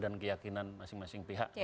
dan keyakinan masing masing pihak